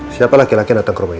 siapa laki lakin datang ke rumah ini